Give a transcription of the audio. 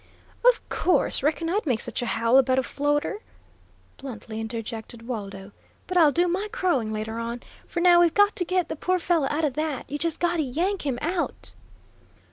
"Of course; reckon I'd make such a howl about a floater?" bluntly interjected Waldo. "But I'll do my crowing later on. For now we've got to get the poor fellow out of that, just got to yank him out!"